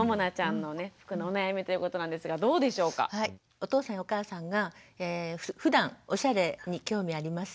お父さんやお母さんがふだんおしゃれに興味あります？